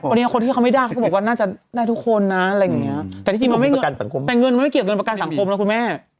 วันนี้คนที่เขาไม่ได้เขาบอกว่าน่าจะได้ทุกคนนะอะไรอย่างเงี้ยแต่ที่จริงมันแต่เงินมันไม่เกี่ยวเงินประกันสังคมนะคุณแม่